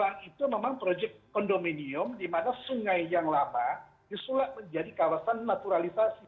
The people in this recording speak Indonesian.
dan projek pelang itu memang projek kondominium di mana sungai yang lama disulap menjadi kawasan naturalisasi